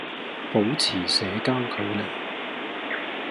保持社交距離